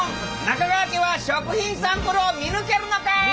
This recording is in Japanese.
中川家は食品サンプルを見抜けるのか！？